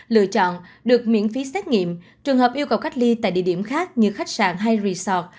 lựa chọn được miễn phí xét nghiệm trường hợp yêu cầu cách ly tại địa điểm khác như khách sạn hay resort